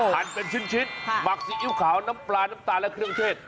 เป็นชิ้นหมักซีอิ๊วขาวน้ำปลาน้ำตาลและเครื่องเทศ